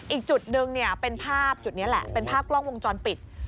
อีกจุดหนึ่งเป็นภาพจุดนี้แหละเป็นภาพกล้องวงจรปิด